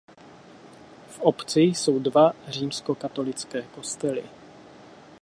V obci jsou dva římskokatolické kostely.